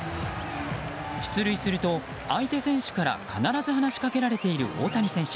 出塁すると、相手選手から必ず話しかけられている大谷選手。